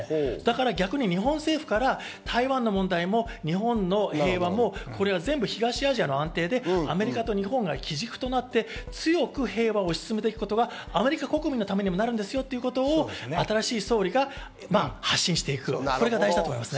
逆に日本政府から台湾の問題も日本の平和も全部、東アジアの安定で、アメリカと日本が基軸となって強く平和を推し進めていくことがアメリカ国民のためにもなるんですよということを新しい総理が発信していくことが大事だと思います。